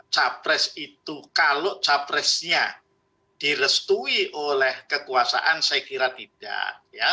capres itu kalau capresnya direstui oleh kekuasaan saya kira tidak